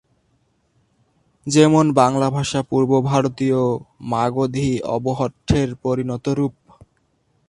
যেমন বাংলা ভাষা পূর্বভারতীয় মাগধী অবহট্ঠের পরিণত রূপ।